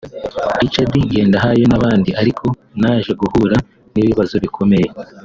Richard Ngendahano n’abandi ariko naje guhura n’ibibazo bikomeye